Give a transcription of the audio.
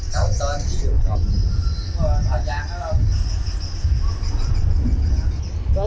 chầu tên chịu rồi